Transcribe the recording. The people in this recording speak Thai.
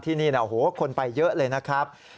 ที่นี่คนไปเยอะเลยนะครับ